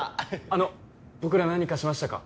あの僕ら何かしましたか？